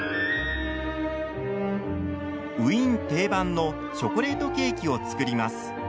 ウィーン定番のチョコレートケーキを作ります。